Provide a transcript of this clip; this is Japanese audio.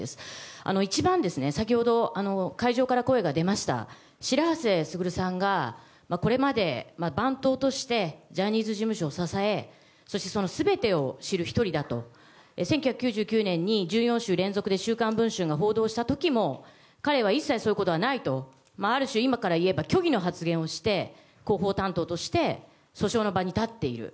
一番、先ほど会場から声が出ました白波瀬傑さんがこれまで番頭としてジャニーズ事務所を支えそして全てを知る１人だと１９９９年に１４週連続で「週刊文春」が報道した時も彼は一切そういうことはないとある種、今から言えば虚偽の発言をして広報担当として訴訟の場に立っている。